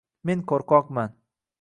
Men qo’rqoqman…